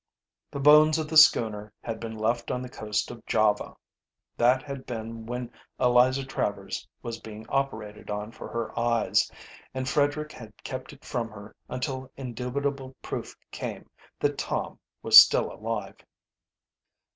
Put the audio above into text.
The bones of the schooner had been left on the coast of Java. That had been when Eliza Travers was being operated on for her eyes, and Frederick had kept it from her until indubitable proof came that Tom was still alive.